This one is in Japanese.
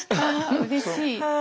うれしい。